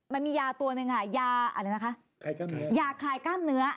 มันมียาตัวหนึ่งยาคลายกล้ามเนื้อ